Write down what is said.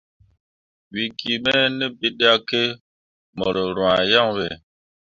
We ge me ne biɗǝkke mor rwah yan be.